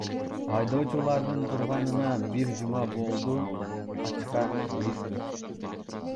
Айдоочулардын турганына бир жума болду, ачка болушту.